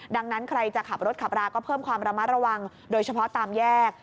ดังนั้นใครจะขับรถขับราก็เพิ่มความระมัดระวังโดยเฉพาะตามแยก